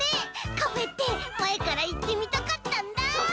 カフェってまえからいってみたかったんだ。